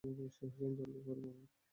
জলদি করো, ভানু।